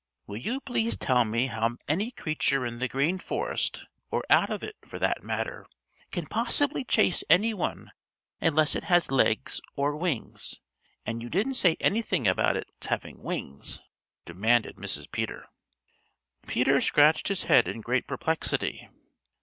"Will you please tell me how any creature in the Green Forest or out of it, for that matter, can possibly chase any one unless it has legs or wings, and you didn't say anything about its having wings," demanded Mrs. Peter. Peter scratched his head in great perplexity.